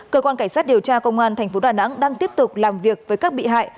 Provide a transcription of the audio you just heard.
cơ quan cảnh sát điều tra công an tp đà nẵng đang tiếp tục làm việc với các bị hại